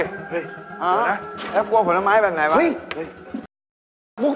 เออแล้วกลัวผลไม้แบบไหนบ้างเฮ่ย